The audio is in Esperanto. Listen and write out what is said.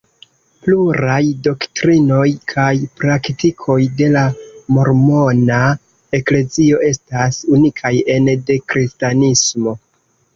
Pluraj doktrinoj kaj praktikoj de la mormona eklezio estas unikaj ene de kristanismo.